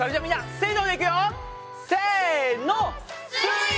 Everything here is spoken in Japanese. せの！